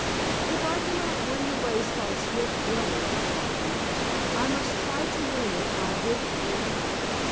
"If I cannot win the race by swift running," thought he, "I must try to win it by good planning."